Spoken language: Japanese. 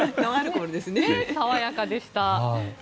爽やかでした。